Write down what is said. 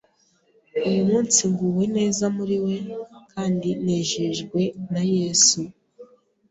uyu munsi nguwe neza muri we kandi nejejwe na yesu